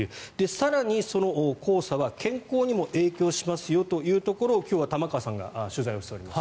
更に、その黄砂は、健康にも影響しますよというところを今日は玉川さんが取材をしております。